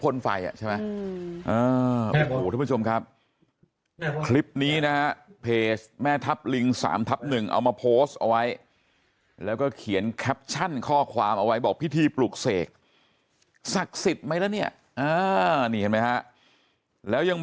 รูปไฟติดไปยันคอเลยครับ